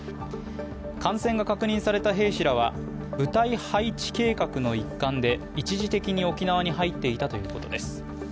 感染が確認された兵士らは部隊配置計画の一環で一時的に沖縄に入っていたということです。